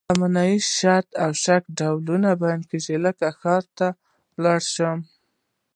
د تمنا، شرط او شک په ډول بیانیږي لکه ښایي لاړ شم.